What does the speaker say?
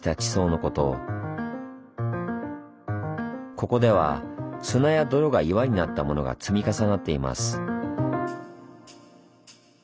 ここでは砂や泥が岩になったものが積み重なっています。